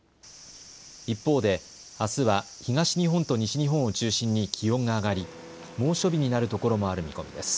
一方であすは東日本と西日本を中心に気温が上がり猛暑日になるところもある見込みです。